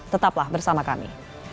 tetaplah bersama kami